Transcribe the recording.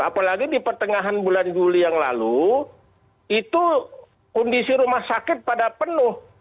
apalagi di pertengahan bulan juli yang lalu itu kondisi rumah sakit pada penuh